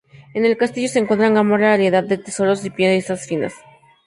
En el castillo se encuentran gran variedad de tesoros y piezas finas.